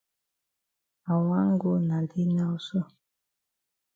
I wan go na dey now so.